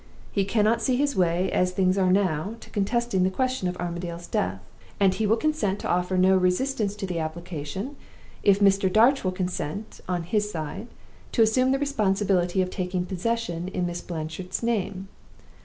He cannot see his way, as things are now, to contesting the question of Armadale's death, and he will consent to offer no resistance to the application, if Mr. Darch will consent, on his side, to assume the responsibility of taking possession in Miss Blanchard's name.